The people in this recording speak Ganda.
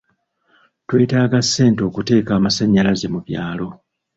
Twetaaga ssente okuteeka amasanyalaze mu byalo.